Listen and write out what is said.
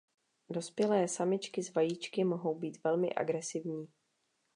Dospělé samičky s vajíčky mohou být velmi agresivní.